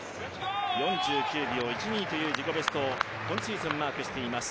４９秒１２という自己ベストを今シーズン、マークしています。